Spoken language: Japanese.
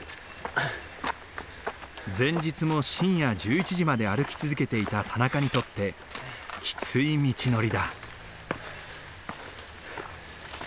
前日も深夜１１時まで歩き続けていた田中にとってきつい道のりだ。